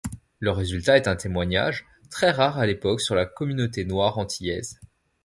Le résultat est un témoignage, très rare à l'époque sur la communauté noire antillaise.